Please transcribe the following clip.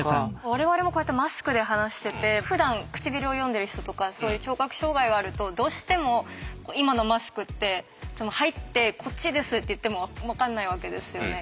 我々もこうやってマスクで話しててふだん唇を読んでる人とかそういう聴覚障害があるとどうしても今のマスクって入って「こっちです」って言ってもわかんないわけですよね。